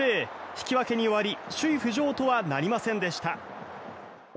引き分けに終わり首位浮上とはなりませんでした。